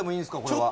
これは。